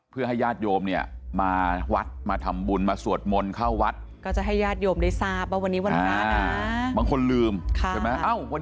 เพื่อให้ญาติโยมเนี่ยมาวัดมาทำบุญมาสวดมนต์เข้าวัดก็จะให้ญาติโยมได้ทราบว่าวันนี้วันพระนะบางคนลืมใช่ไหม